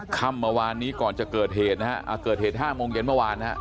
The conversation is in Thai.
ค่ำเมื่อวานนี้ก่อนจะเกิดเหตุนะฮะเกิดเหตุ๕โมงเย็นเมื่อวานนะฮะ